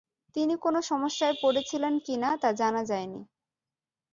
তিনি কোন সমস্যায় পড়েছিলেন কি-না তা জানা যায়নি।